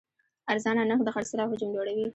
ارزانه نرخ د خرڅلاو حجم لوړوي.